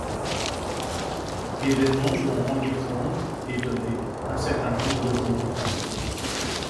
Événement dont rendirent compte, étonnés, un certain nombre de journaux français.